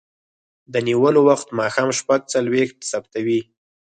د نیولو وخت ماښام شپږ څلویښت ثبتوي.